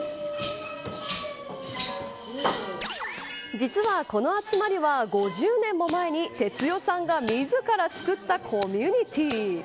実は、この集まりは５０年も前に哲代さんが自らつくったコミュニティー。